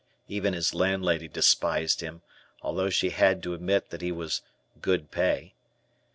Even his landlady despised him, although she had to admit that he was "good pay."